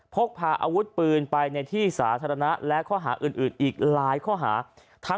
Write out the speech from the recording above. พกพาอาวุธปืนไปในที่สาธารณะและข้อหาอื่นอีกหลายข้อหา